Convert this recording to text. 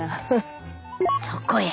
そこや。